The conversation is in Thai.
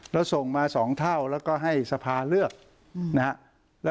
แล้วส่งมา๒เท่าแล้วก็ให้สภาเลือกนะครับ